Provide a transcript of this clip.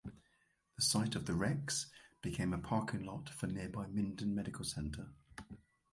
The site of the Rex became a parking lot for nearby Minden Medical Center.